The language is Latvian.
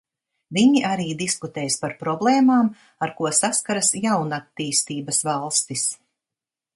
Viņi arī diskutēs par problēmām, ar ko saskaras jaunattīstības valstis.